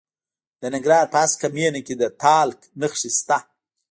د ننګرهار په هسکه مینه کې د تالک نښې شته.